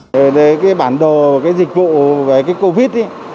về cái bản đồ cái dịch vụ về cái covid